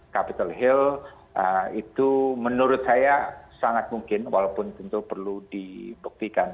capital hill itu menurut saya sangat mungkin walaupun tentu perlu dibuktikan